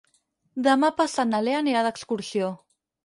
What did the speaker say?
Demà passat na Lea anirà d'excursió.